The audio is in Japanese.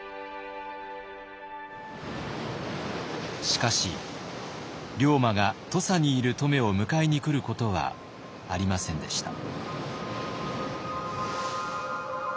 しかし龍馬が土佐にいる乙女を迎えに来ることはありませんでした。